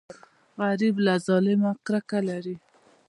غریب له ظلمه کرکه لري